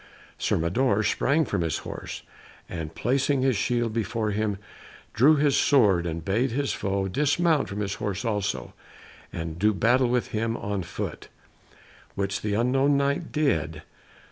Sir Mador sprang from his horse, and, placing his shield before him, drew his sword, and bade his foe dismount from his horse also, and do battle with him on foot, which the unknown Knight did.